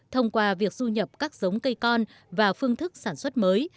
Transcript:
thông qua việc du nhập các giống cây con và phương thức sản xuất mới